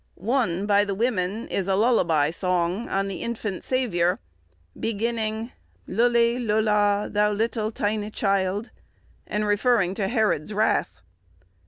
One, by the women, is a lullaby song, on our infant Saviour, beginning, "Lully lulla, thou littell tine' child," and referring to Herod's wrath.